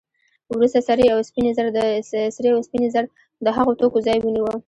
وروسته سرې او سپینې زر د هغو توکو ځای ونیو